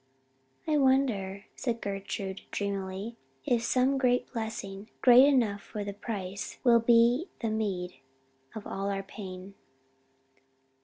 "I wonder," said Gertrude dreamily, "if some great blessing, great enough for the price, will be the meed of all our pain?